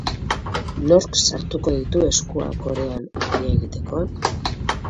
Nork sartuko ditu eskuak orean ogia egiteko?